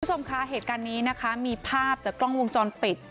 คุณผู้ชมคะเหตุการณ์นี้นะคะมีภาพจากกล้องวงจรปิด